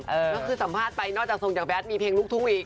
แล้วคือสัมภาษณ์ไปนอกจากทรงจากแบทมีเพลงลูกทุ่งอีก